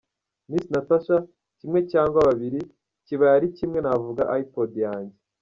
Miss Natacha : Kimwe cyangwa bibiri ? Kibaye ari kimwe navuga iPod yanjye.